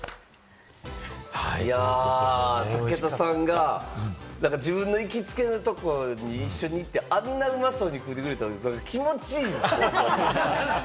武田さんが、自分の行きつけのところに一緒に行って、あんなうまそうに食うてくれたら僕、気持ちいいんですよ！